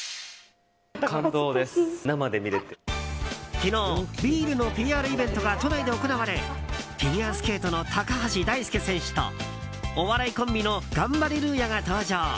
昨日、ビールのＰＲイベントが都内で行われフィギュアスケートの高橋大輔選手とお笑いコンビのガンバレルーヤが登場。